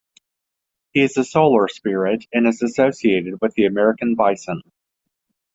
He is a solar spirit, and is associated with the American Bison.